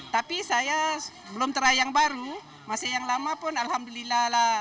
tapi saya belum teraih yang baru masih yang lama pun alhamdulillah lah